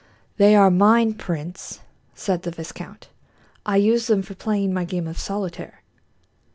"They are mine, prince," said the viscount; "I use them for playing my game of solitaire."